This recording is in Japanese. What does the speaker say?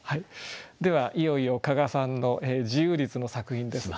ではいよいよ加賀さんの自由律の作品です。